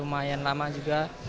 lumayan lama juga